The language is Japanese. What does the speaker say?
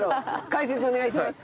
解説お願いします。